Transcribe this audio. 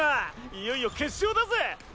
いよいよ決勝だぜ！